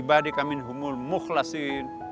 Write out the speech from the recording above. ila ibadika minhumul mukhlaseen